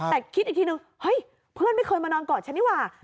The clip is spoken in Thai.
แต่คิดอีกทีนึงเฮ้ยเพื่อนไม่เคยมานอนกอดฉันนี่หว่า